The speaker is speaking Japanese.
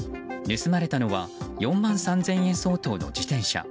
盗まれたのは４万３０００円相当の自転車。